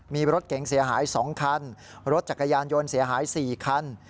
มีรถเก๋งเสียหาย๒คันรถจักรยานยนต์เสียหาย๔คัน